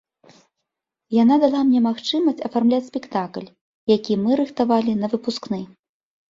Яна дала мне магчымасць афармляць спектакль, які мы рыхтавалі на выпускны.